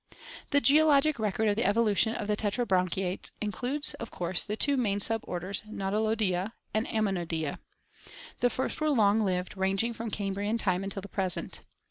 The geologic record of the evolution of the Tetrabranchiates includes of course the two main suborders, Nau tiloidea and Ammonoidea. The first were long lived, ranging from Cambrian time until the present.